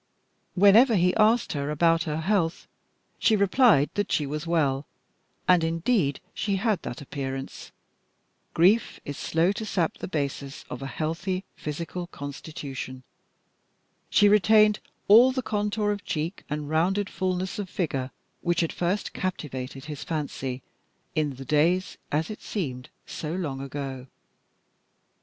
Whenever he asked her about her health, she replied that she was well; and, indeed, she had that appearance. Grief is slow to sap the basis of a healthy physical constitution. She retained all the contour of cheek and rounded fulness of figure which had first captivated his fancy in the days, as it seemed, so long ago.